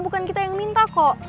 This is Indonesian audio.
bukan kita yang minta kok